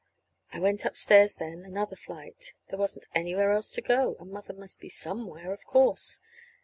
I went upstairs then, another flight. There wasn't anywhere else to go, and Mother must be somewhere, of course.